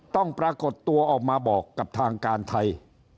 ปรากฏตัวออกมาบอกกับทางการไทย